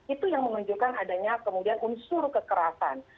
itu yang menunjukkan adanya kemudian unsur kekerasan